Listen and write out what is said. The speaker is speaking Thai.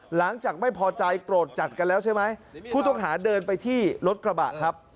หลังจากไม่พอใจโกรธจัดกันแล้วใช่ไหมผู้ต้องหาเดินไปที่รถกระบะครับ